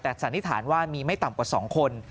แต่สันนิษฐานว่ามีไม่ต่ำกว่า๒คน